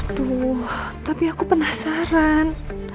aduh tapi aku penasaran